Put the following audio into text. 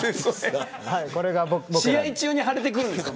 試合中に腫れてくるんですか。